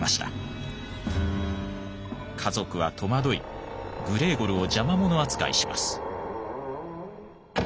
家族は戸惑いグレーゴルを邪魔者扱いします。